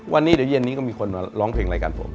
วันนี้เดี๋ยวเย็นนี้ก็มีคนมาร้องเพลงรายการผม